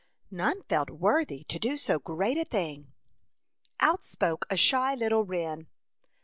None felt worthy to do so great a thing. Out spoke a shy little wren.